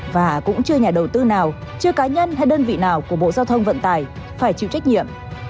và cũng chưa nhà đầu tư nào chưa cá nhân hay đơn vị nào của bộ giao thông vận tải phải chịu trách nhiệm